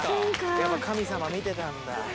やっぱ神様見てたんだ。